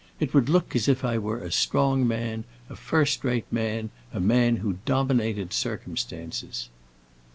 It would look as if I were a strong man, a first rate man, a man who dominated circumstances."